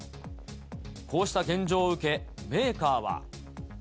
こうした現状を受け、メーカーは。